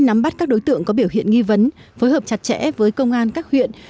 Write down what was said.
nắm bắt các đối tượng có biểu hiện nghi vấn phối hợp chặt chẽ với công an các huyện